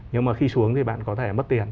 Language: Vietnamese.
nhưng mà khi xuống thì bạn có thể mất tiền